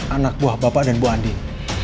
anak buah bapak dan bu andin